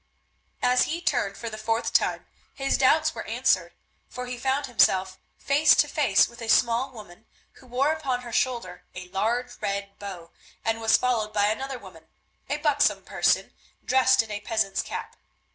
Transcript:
As he turned for the fourth time his doubts were answered, for he found himself face to face with a small woman who wore upon her shoulder a large red bow, and was followed by another woman, a buxom person dressed in a peasant's cap.